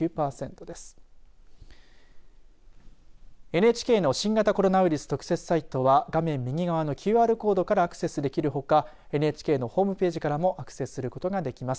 ＮＨＫの新型コロナウイルス特設サイトは画面右側のＱＲコードからアクセスできるほかＮＨＫのホームページからもアクセスすることができます。